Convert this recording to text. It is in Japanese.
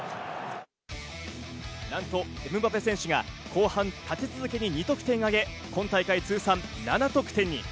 なんとエムバペ選手が後半、立て続けに２得点挙げ、今大会通算７得点に。